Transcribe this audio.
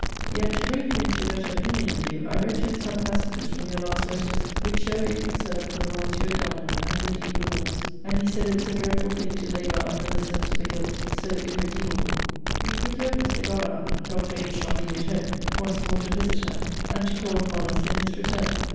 Yet, to bring him into better opinion of you, I read to him some passages from your last letters, which showed your concern for the wrongs you had done her, and your deep remorse: and he said it was a dreadful thing to labour under the sense of a guilt so irredeemable. We procured Mr. Goddard, (Dr. H. not being at home,) once more to visit her, and to call upon us in his return.